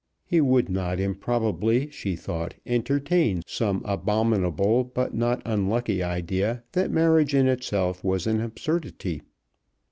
He would not improbably, she thought, entertain some abominable but not unlucky idea that marriage in itself was an absurdity.